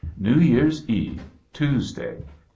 New Year's Eve! Tuesday.